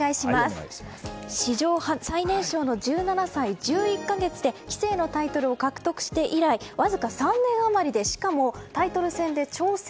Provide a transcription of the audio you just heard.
史上最年少の１７歳１１か月で棋聖のタイトルを獲得して以来わずか３年余りでしかもタイトル戦で挑戦